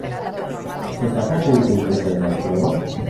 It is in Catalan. Se sap el punt concret en què es troba?